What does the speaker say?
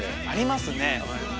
ありますね。